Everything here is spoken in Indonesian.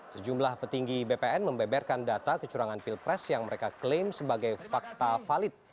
sejumlah petinggi bpn membeberkan data kecurangan pilpres yang mereka klaim sebagai fakta valid